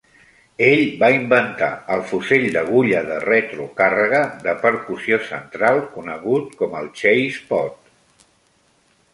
Ell va inventar el fusell d'agulla de retrocàrrega, de percussió central, conegut com el Chassepot.